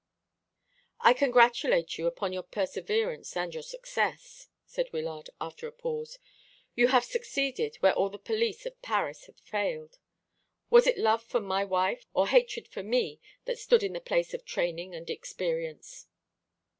"I congratulate you upon your perseverance and your success," said Wyllard, after a pause. "You have succeeded where all the police of Paris had failed. Was it love for my wife, or hatred for me, that stood in the place of training and experience?"